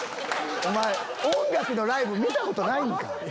お前音楽のライブ見たことないんか？